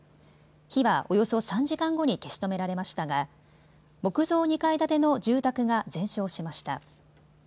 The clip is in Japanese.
火はおよそ３時間後に消し止められましたが木造２階建ての住宅が全焼しました。